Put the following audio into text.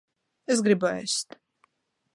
Es gribu ēst.